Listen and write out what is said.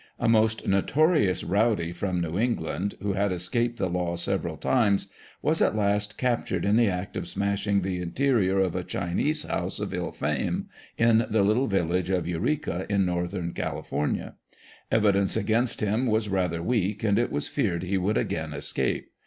A most notorious " rowdy," from New England, who had escaped the law several times, was at last captured in the act of smashing the interior of a Chinese house of ill fame, in the little vil lage of Eureka, in North California. Evidence against him was rather weak, and it was feared he would again escape.